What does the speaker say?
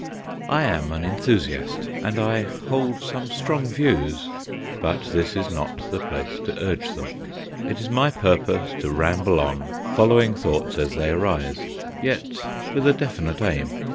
I am an enthusiast, and I hold some strong views, but this is not the place to urge them. It is my purpose to ramble on, following thoughts as they arise, yet with a definite aim.